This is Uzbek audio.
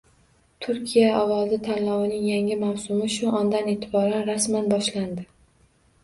Turkiya ovozi tanlovining yangi mavsumi shu ondan e’tiboran rasman boshlandi!